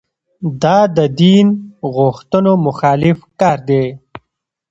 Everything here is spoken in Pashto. دا د دین غوښتنو مخالف کار دی.